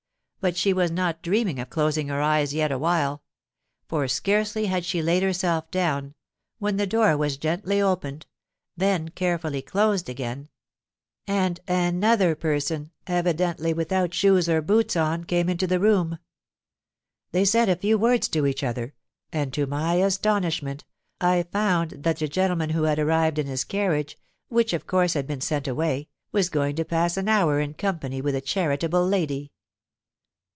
But she was not dreaming of closing her eyes yet awhile; for scarcely had she laid herself down, when the door was gently opened—then carefully closed again—and another person, evidently without shoes or boots on, came into the room. They said a few words to each other; and to my astonishment I found that the gentleman who had arrived in his carriage (which of course had been sent away) was going to pass an hour in company with the charitable lady.